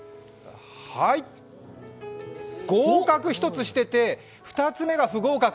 合格１つしてて、２つ目が不合格。